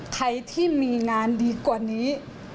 ใครที่มีงานดีกว่านี้